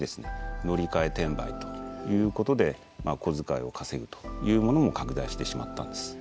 乗り換え転売ということで小遣いを稼ぐというものも拡大してしまったんです。